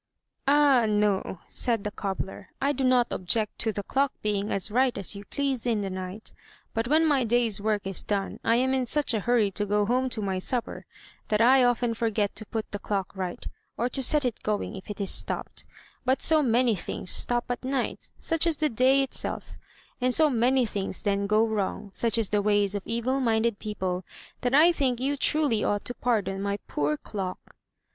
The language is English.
"Ah, no!" said the cobbler, "I do not object to the clock being as right as you please in the night; but when my day's work is done, I am in such a hurry to go home to my supper that I often forget to put the clock right, or to set it going if it is stopped. 262 THE TREASURE CHEST But SO many things stop at night — such as the day itself — and so many things then go wrong such as the ways of evil minded people — that I think you truly ought to pardon my poor clock."